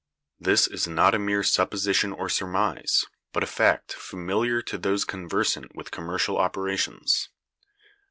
This is not a mere supposition or surmise, but a fact familiar to those conversant with commercial operations.